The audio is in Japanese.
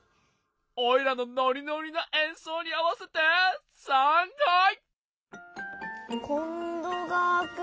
おいらのノリノリなえんそうにあわせてさんはい！